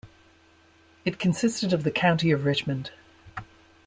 It consisted of the County of Richmond.